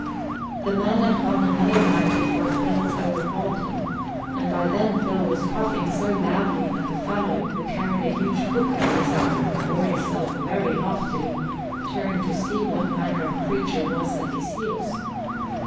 The man had gone another mile before Phil overhauled him and by then Phil was puffing so loudly that the fellow, who carried a huge book under his arm and bore himself very loftily, turned to see what manner of creature was at his heels.